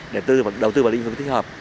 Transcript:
để đầu tư vào lĩnh vực thích hợp